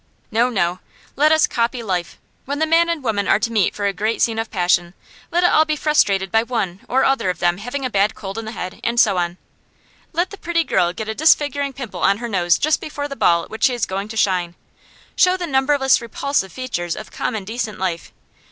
No, no; let us copy life. When the man and woman are to meet for a great scene of passion, let it all be frustrated by one or other of them having a bad cold in the head, and so on. Let the pretty girl get a disfiguring pimple on her nose just before the ball at which she is going to shine. Show the numberless repulsive features of common decent life.